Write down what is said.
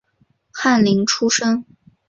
翰林出身。